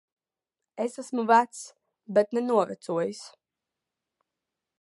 Es esmu vecs. Bet ne novecojis.